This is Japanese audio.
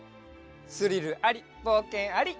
スリルありぼうけんあり。